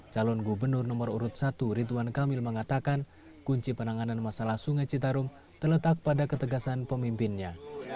calon gubernur nomor urut satu ridwan kamil mengatakan kunci penanganan masalah sungai citarum terletak pada ketegasan pemimpinnya